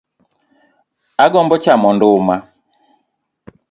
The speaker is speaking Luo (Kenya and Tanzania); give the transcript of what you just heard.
Agombo chamo nduma